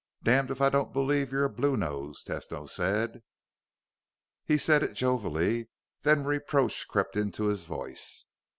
"Damned if I don't believe you're a bluenose," Tesno said. He said it jovially; then reproach crept into his voice.